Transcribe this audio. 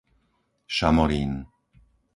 Šamorín